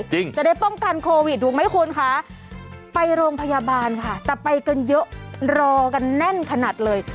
จะได้ป้องกันโควิดถูกไหมคุณคะไปโรงพยาบาลค่ะแต่ไปกันเยอะรอกันแน่นขนาดเลย